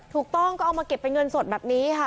ถูกต้องก็เอามาเก็บเป็นเงินสดแบบนี้ค่ะ